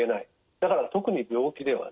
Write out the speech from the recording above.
だから特に病気ではない。